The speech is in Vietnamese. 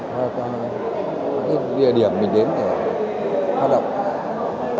và các địa điểm mình đến để phát động